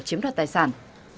chiếm đoạt tài sản